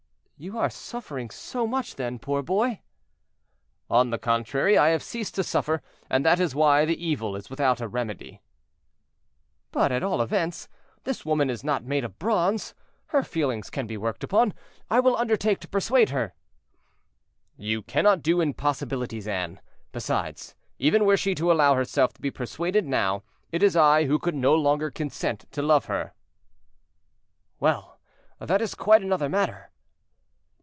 "You are suffering so much, then, poor boy?" "On the contrary, I have ceased to suffer, and that is why the evil is without a remedy." "But, at all events, this woman is not made of bronze; her feelings can be worked upon; I will undertake to persuade her." "You cannot do impossibilities, Anne; besides, even were she to allow herself to be persuaded now, it is I who could no longer consent to love her." "Well, that is quite another matter."